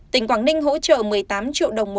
tỉnh quảng ninh hỗ trợ một mươi tám triệu đồng